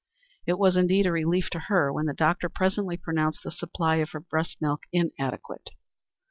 It was indeed a relief to her when the doctor presently pronounced the supply of her breast milk inadequate.